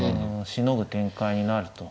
しのぐ展開になると。